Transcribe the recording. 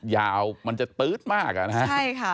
ยาวมันจะตื๊ดมากอะนะฮะ